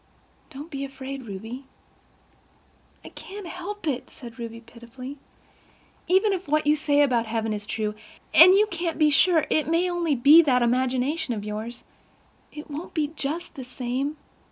Don't be afraid, Ruby." "I can't help it," said Ruby pitifully. "Even if what you say about heaven is true—and you can't be sure—it may be only that imagination of yours—it won't be just the same.